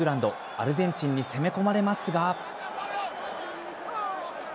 アルゼンチンに攻め込まれますが。